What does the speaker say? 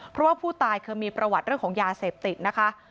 เพราะว่าผู้ตายเคยมีประวัติเรื่องของยาเสพติดนะคะ